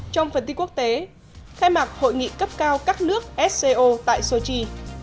trong phần tin quốc tế khai mạc hội nghị cấp cao các nước sco tại sochi